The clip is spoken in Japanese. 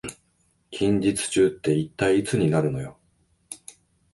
近日中って一体いつになるのよ